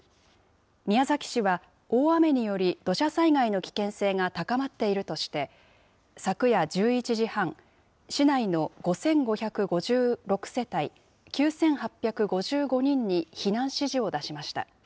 宮崎市は、大雨により土砂災害の危険性が高まっているとして、昨夜１１時半、市内の５５５６世帯９８５５人に避難指示を出しました。